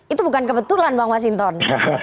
itu bukan kebetulan bang masinton